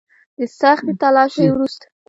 د سختې تلاشۍ وروسته.